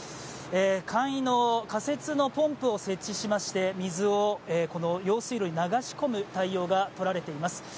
簡易の架設のポンプを設置しまして水を用水路に流し込む対応がとらてれいます。